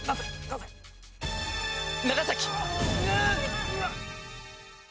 長崎！